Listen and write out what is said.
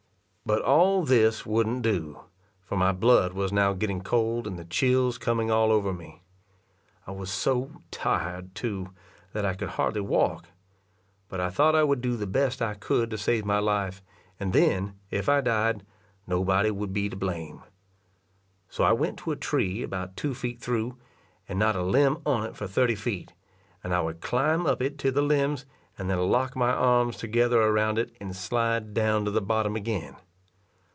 But all this wouldn't do; for my blood was now getting cold, and the chills coming all over me. I was so tired, too, that I could hardly walk; but I thought I would do the best I could to save my life, and then, if I died, nobody would be to blame. So I went to a tree about two feet through, and not a limb on it for thirty feet, and I would climb up it to the limbs, and then lock my arms together around it, and slide down to the bottom again.